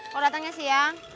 kau datangnya siang